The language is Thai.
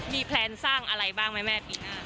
มีแพลนสร้างอะไรบ้างไหมแม่ปีหน้า